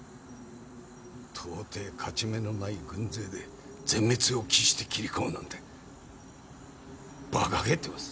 到底勝ち目のない軍勢で全滅を期して切り込むなんてバカげてます。